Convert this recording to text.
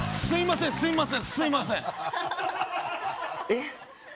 すいませんえ